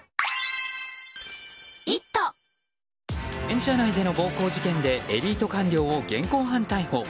電車内での暴行事件でエリート官僚を現行犯逮捕。